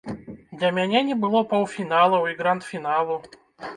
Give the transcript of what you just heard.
Для мяне не было паўфіналаў і гранд-фіналу.